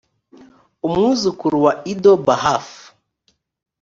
umwuzukuru wa ido bahaf